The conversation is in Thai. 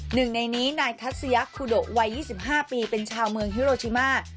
หนึ่งในนี้นายทัศยาคูโดวัย๒๕ปีเป็นชาวเมืองฮิโรชิมา